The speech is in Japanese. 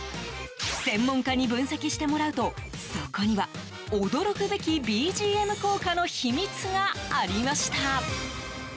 専門家に分析してもらうとそこには驚くべきＢＧＭ効果の秘密がありました。